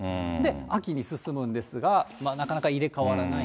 秋に進むんですが、なかなか入れ代わらない。